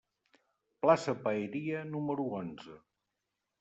Plaça Paeria, número onze.